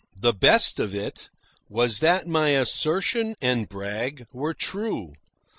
The best of it was that my assertion and brag were true.